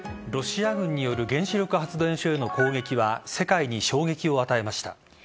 ロシア軍による原子力発電所への攻撃は世界に衝撃を与えました。